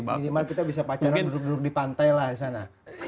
minimal kita bisa pacaran duduk duduk di pantai lah di sana